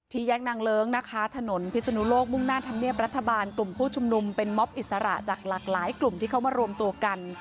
แยกนางเลิ้งนะคะถนนพิศนุโลกมุ่งหน้าธรรมเนียบรัฐบาลกลุ่มผู้ชุมนุมเป็นม็อบอิสระจากหลากหลายกลุ่มที่เขามารวมตัวกัน